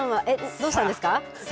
どうしたんですか。